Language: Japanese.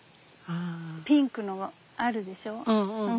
ピンクのあるでしょ。